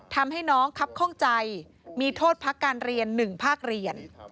ทำให้น้องครับข้องใจมีโทษพักการเรียน๑ภาคเรียน